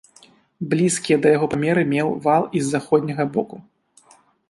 Блізкія да яго памеры меў вал і з заходняга боку.